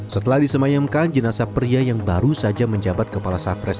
setelah disemayamkan jenazah pria yang baru saja menjabat kepala satres